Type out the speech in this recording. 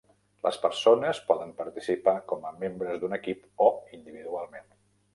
Les persones poden participar com a membres d'un equip o individualment.